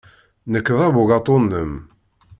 Nekk d abugaṭu-nnem.